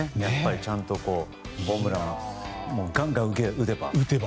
ちゃんとホームランガンガン打てば。